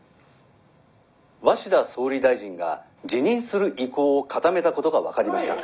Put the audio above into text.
鷲田総理大臣が辞任する意向を固めたことが分かりました。